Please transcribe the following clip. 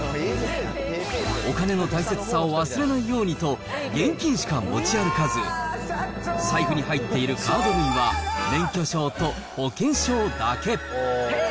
お金の大切さを忘れないようにと、現金しか持ち歩かず、財布に入っているカード類は免許証と保険証だけ。